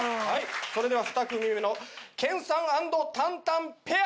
それでは２組目のけんさん＆たんたんペア！